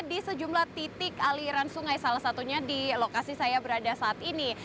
di sejumlah titik aliran sungai salah satunya di lokasi saya berada saat ini